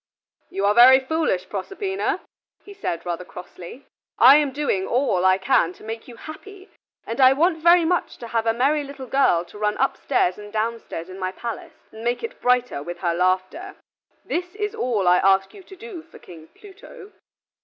"You are very foolish, Proserpina," he said, rather crossly. "I am doing all I can to make you happy, and I want very much to have a merry little girl to run upstairs and downstairs in my palace and make it brighter with her laughter. This is all I ask you to do for King Pluto."